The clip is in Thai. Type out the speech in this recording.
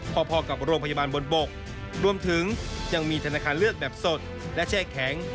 พอกับโรงพยาบาลบนบกรวมถึงยังมีธนาคารเลือกแบบสดและแช่แข็ง